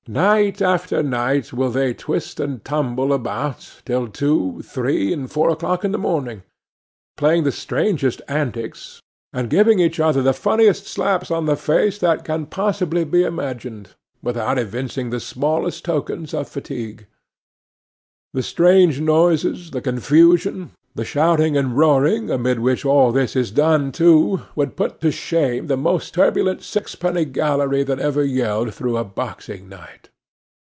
Night after night will they twist and tumble about, till two, three, and four o'clock in the morning; playing the strangest antics, and giving each other the funniest slaps on the face that can possibly be imagined, without evincing the smallest tokens of fatigue. The strange noises, the confusion, the shouting and roaring, amid which all this is done, too, would put to shame the most turbulent sixpenny gallery that ever yelled through a boxing night.